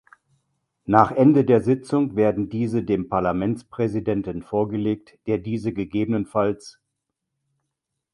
Nach Ende der Sitzung werden diese dem Parlamentspräsidenten vorgelegt, der diese ggf.